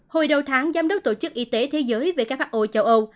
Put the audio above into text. hồi đầu tháng giám đốc tổ chức y tế thế giới về các pháp ổ châu âu